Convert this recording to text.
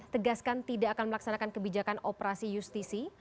tegaskan tidak akan melaksanakan kebijakan operasi justisi